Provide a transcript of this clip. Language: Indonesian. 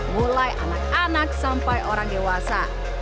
mulai anak anak sampai orang dewasa